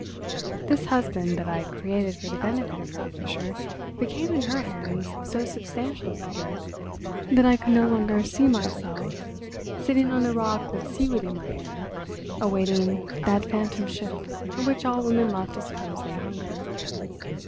This husband that I had created for the benefit of Frau Fischer became in her hands so substantial a figure that I could no longer see myself sitting on a rock with seaweed in my hair, awaiting that phantom ship for which all women love to suppose they hunger.